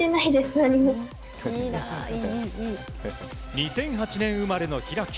２００８年生まれの開。